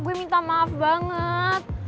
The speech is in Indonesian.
gue minta maaf banget